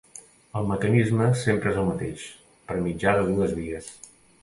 El mecanisme sempre és el mateix, per mitjà de dues vies.